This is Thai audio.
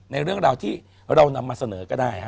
ในเรื่องราวที่เรานำมาเสนอก็ได้